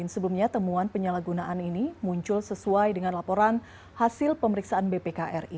sebelumnya temuan penyalahgunaan ini muncul sesuai dengan laporan hasil pemeriksaan bpkri